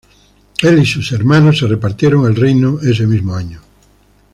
Él y sus hermanos se repartieron el reino ese mismo año.